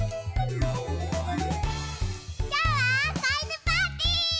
きょうはこいぬパーティー！